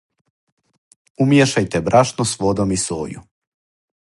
Умијешајте брашно с водом и соју.